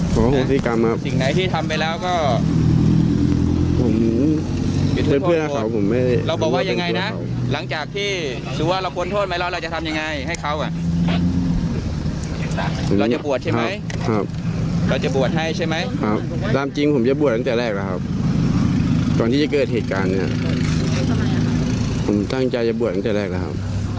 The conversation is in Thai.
ก่อนที่จะเกิดเหตุการณ์เนี่ยผมตั้งใจจะบวชตั้งแต่แรกแล้ว